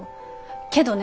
けどね。